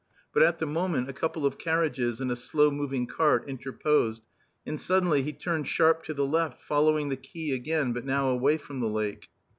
But at the moment a couple of carriages and a slow moving cart interposed, and suddenly he turned sharp to the left, following the quay again, but now away from the lake.